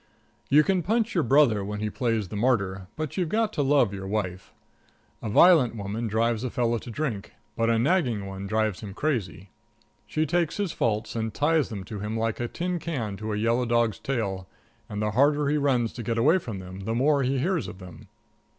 You can punch your brother when he plays the martyr, but you've got to love your wife. A violent woman drives a fellow to drink, but a nagging one drives him crazy. She takes his faults and ties them to him like a tin can to a yellow dog's tail, and the harder he runs to get away from them the more he hears of them.